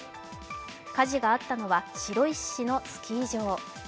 火事があったのは、白石市のスキー場。